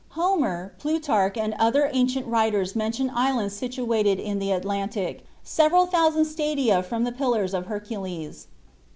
Homer, Plutarch, and other ancient writers mention islands situated in the Atlantic, "several thousand stadia from the Pillars of Hercules."